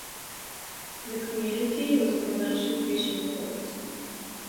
The community was a commercial fishing port.